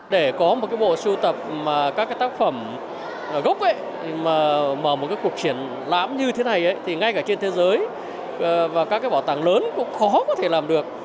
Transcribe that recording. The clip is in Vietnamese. để có một bộ sưu tập các tác phẩm gốc mà một cuộc triển lãm như thế này thì ngay cả trên thế giới và các bảo tàng lớn cũng khó có thể làm được